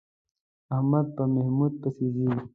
احمد په محمود پسې ځي.